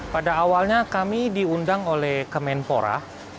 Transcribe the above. pada awalnya kami diundang oleh kemenpora